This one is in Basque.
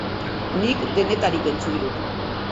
Nik denetarik entzun dut.